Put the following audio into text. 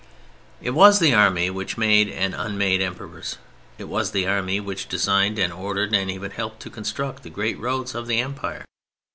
It was the Army which made and unmade Emperors; it was the Army which designed and ordered and even helped to construct the great roads of the Empire.